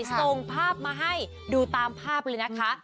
ส่งภาพมาให้ดูตามภาพเลยนะคะ